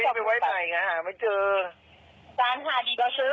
เอาจากไหนนะเอาไปให้ใครหรือเปล่าฟังข้าวจากญาติซิ